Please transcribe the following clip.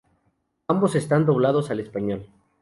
Ambos están doblados al español.